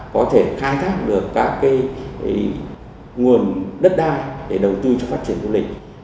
có thể khai thác được các nguồn đất đai để đầu tư cho phát triển du lịch